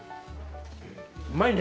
うまいね！